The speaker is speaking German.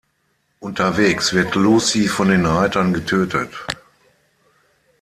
Unterwegs wird Lucy von den Reitern getötet.